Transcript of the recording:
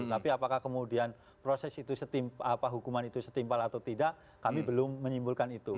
tapi apakah kemudian proses itu hukuman itu setimpal atau tidak kami belum menyimpulkan itu